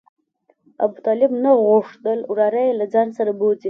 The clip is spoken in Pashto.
ابوطالب نه غوښتل وراره یې له ځان سره بوځي.